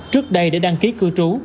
trước đây để đăng ký cư trú